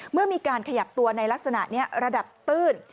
เมื่อมีการขยับตัวในลักษณะนี้ระดับตื้น